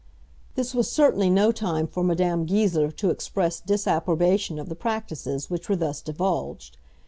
This was certainly no time for Madame Goesler to express disapprobation of the practices which were thus divulged.